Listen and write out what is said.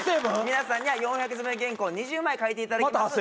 皆さんには４００字詰め原稿２０枚書いていただきます